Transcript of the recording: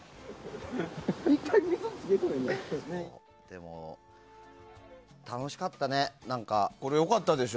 でも、楽しかったね。